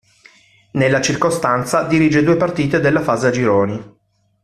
Nella circostanza, dirige due partite della fase a gironi.